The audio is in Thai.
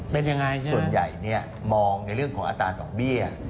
เป็นยังไงส่วนใหญ่เนี่ยมองในเรื่องของอัตราดอกเบี้ย